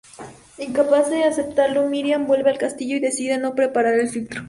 Incapaz de aceptarlo, Miriam vuelve al castillo y decide no preparar el filtro.